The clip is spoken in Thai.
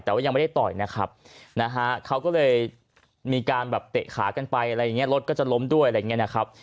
แต่ว่ายังไม่ได้ต่อยนะครับนะฮะเขาก็เลยมีการแบบเตะขากันไปอะไรอย่างเงี้รถก็จะล้มด้วยอะไรอย่างเงี้ยนะครับ